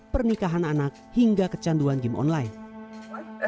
pernikahan anak hingga kecanduan game online